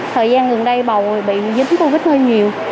thời gian gần đây bầu bị dính covid hơi nhiều